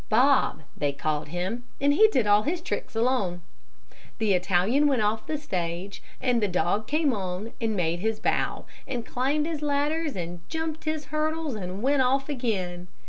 Bob, they called him, and he did all his tricks alone. The Italian went off the stage, and the dog came on and made his bow, and climbed his ladders, and jumped his hurdles, and went off again.